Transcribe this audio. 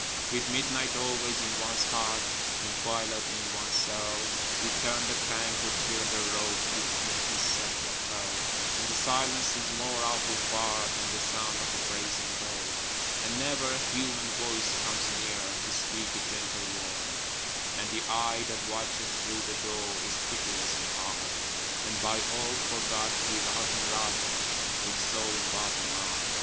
With midnight always in one's heart, And twilight in one's cell, We turn the crank, or tear the rope, Each in his separate Hell, And the silence is more awful far Than the sound of a brazen bell. And never a human voice comes near To speak a gentle word: And the eye that watches through the door Is pitiless and hard: And by all forgot, we rot and rot, With soul and body marred.